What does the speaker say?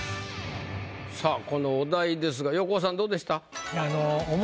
さぁこのお題ですが横尾さんどうでした？